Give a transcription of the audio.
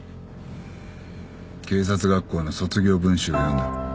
警察学校の卒業文集を読んだ。